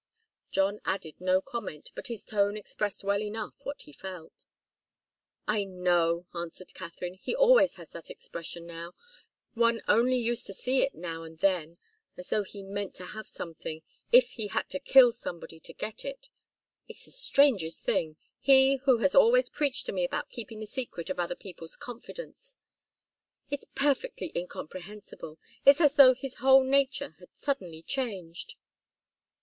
John added no comment, but his tone expressed well enough what he felt. "I know," answered Katharine. "He always has that expression now, one only used to see it now and then, as though he meant to have something, if he had to kill somebody to get it. It's the strangest thing! He, who has always preached to me about keeping the secret of other people's confidence! It's perfectly incomprehensible! It's as though his whole nature had suddenly changed."